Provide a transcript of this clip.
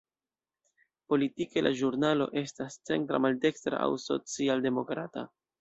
Politike, la ĵurnalo estas centra-maldekstra aŭ social-demokrata.